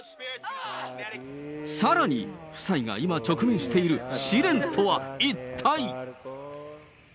さらに、夫妻が今、直面している試練とは一体。